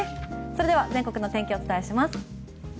それでは全国の天気をお伝えします。